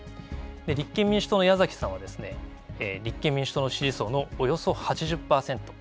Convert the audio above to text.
立憲民主党の矢崎さんは、立憲民主党の支持層のおよそ８０％。